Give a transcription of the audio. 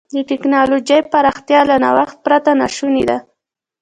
د ټکنالوجۍ پراختیا له نوښت پرته ناشونې ده.